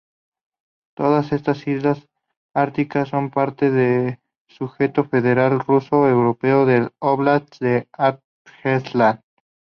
Todas estas islas árticas son parte del sujeto federal ruso-europeo del óblast de Arjángelsk.